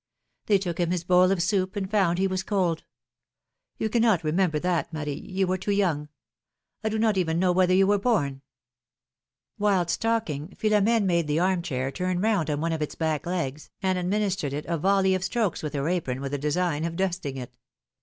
They took him his bowl of soup, and found he w^as cold. You cannot remember that, Marie ; you were too young. I do not even know whether you w'ere born ! Whilst talking, Philomene made the arm chair turn 5 74 philomene's maeeiages. round on one of its back legs, and administered it a volley of strokes with her apron with the design of dusting it.